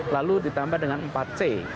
lalu ditambah dengan empat c